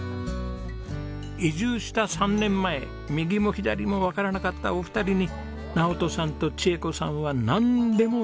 移住した３年前右も左もわからなかったお二人に直登さんと智恵子さんはなんでも教えてくれました。